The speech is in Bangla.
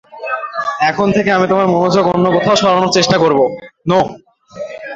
এখন থেকে আমি তোমার মনযোগ অন্যকোথাও সরানোর চেষ্টা করব।